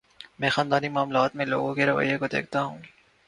میں خاندانی معاملات میں لوگوں کے رویے کو دیکھتا ہوں۔